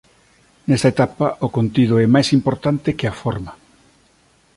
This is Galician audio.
Nesta etapa o contido é máis importante que a forma.